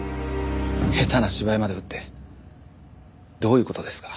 下手な芝居まで打ってどういう事ですか？